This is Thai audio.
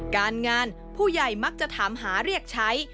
การงานผู้ใหญ่มักจะถามหาเรียกใช้